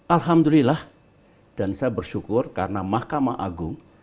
alhamdulillah dan saya bersyukur karena mahkamah agung